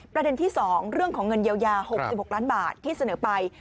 ประเด็นที่สองเรื่องเงินเยี่ยวยา๖๖ล้านบาทสนุกไป